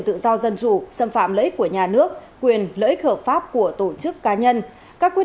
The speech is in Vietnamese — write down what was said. tự do dân chủ xâm phạm lợi ích của nhà nước quyền lợi ích hợp pháp của tổ chức cá nhân các quyết